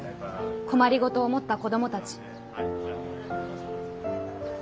「困りごとを持った子ども達」。